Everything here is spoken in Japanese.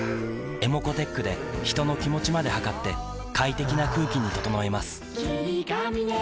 ｅｍｏｃｏーｔｅｃｈで人の気持ちまで測って快適な空気に整えます